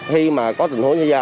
khi mà có tình huống xảy ra